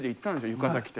浴衣着て。